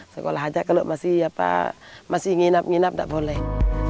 sekolah aja kalau masih nginap nginap tidak boleh